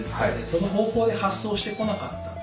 その方向で発想してこなかったんで。